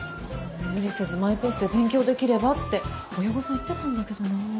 無理せずマイペースで勉強できればって親御さん言ってたんだけどなぁ。